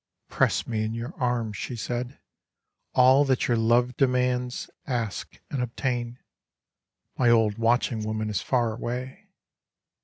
" Press me in your arms," she said. All that your love demands Ask and obtain. My old watching woman is far away."